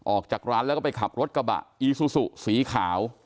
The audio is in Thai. ออกจากร้านแล้วก็ไปขับรถกระบะอีซูซูสีขาว